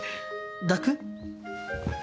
抱く？